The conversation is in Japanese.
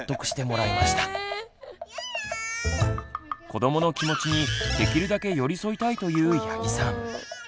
子どもの気持ちにできるだけ寄り添いたいという八木さん。